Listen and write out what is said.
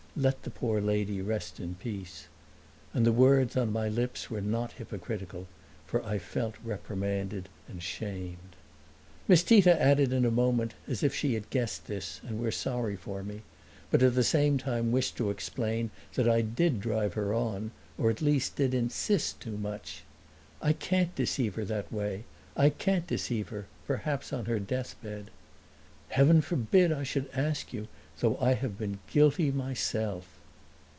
"Let the poor lady rest in peace." And the words, on my lips, were not hypocritical, for I felt reprimanded and shamed. Miss Tita added in a moment, as if she had guessed this and were sorry for me, but at the same time wished to explain that I did drive her on or at least did insist too much: "I can't deceive her that way. I can't deceive her perhaps on her deathbed." "Heaven forbid I should ask you, though I have been guilty myself!"